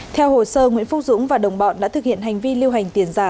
theo hồ sơ nguyễn phúc dũng và đồng bọn đã thực hiện hành vi lưu hành tiền giả